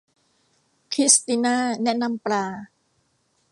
คริสติน่าแนะนำปลา